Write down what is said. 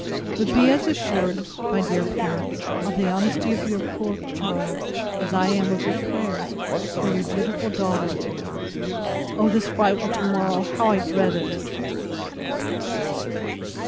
But be as assured, my dear parents, of the honesty of your poor child, as I am of your prayers for Your dutiful DAUGHTER. O this frightful to morrow; how I dread it!